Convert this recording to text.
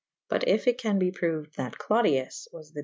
But yf it can be proued that Clodius was the 'B.